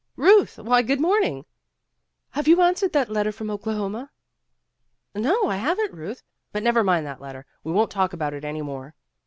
'''* Ruth ! Why, good morning !'' "Have you answered that letter from Okla homa?" "No, I haven't, Euth. But never mind that letter. We won't talk about it any more."